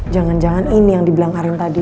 jangan jangan ini yang dibilang aren tadi